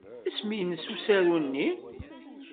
Isem-nnes usaru-nni?